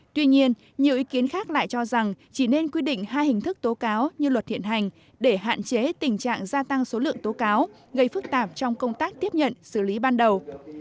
tuy nhiên nhiều ý kiến khác lại cho rằng chỉ nên quy định hai hình thức tố cáo như luật hiện hành để hạn chế tình trạng gia tăng số lượng tố cáo gây phức tạp trong công tác tiếp nhận xử lý ban đầu